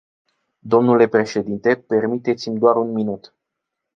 Dle președinte, permiteți-mi doar un minut.